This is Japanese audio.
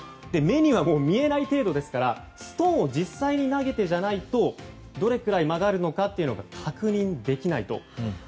目には見えない程度ですからストーンを実際に投げてじゃないとどれぐらい曲がるかが確認できないと。